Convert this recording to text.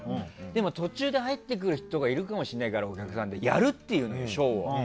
でも、途中で入ってくる人がいるかもしれないからお客さんでやるっていうの、ショーを。